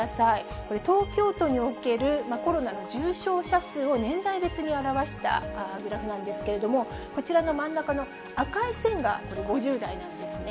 これ、東京都におけるコロナの重症者数を年代別に表したグラフなんですけれども、こちらの真ん中の赤い線がこれ、５０代なんですね。